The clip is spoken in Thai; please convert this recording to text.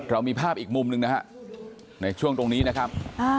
เรามีภาพอีกมุมหนึ่งนะฮะในช่วงตรงนี้นะครับ